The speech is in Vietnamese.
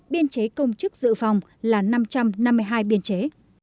biên chế công chức dự phòng là năm trăm năm mươi hai biên chế